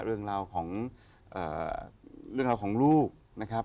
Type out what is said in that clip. เรื่องราวของลูกนะครับ